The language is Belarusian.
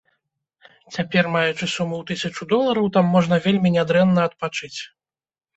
Цяпер маючы суму ў тысячу долараў там можна вельмі нядрэнна адпачыць.